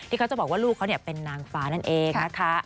เขาจะบอกว่าลูกเขาเป็นนางฟ้านั่นเองนะคะ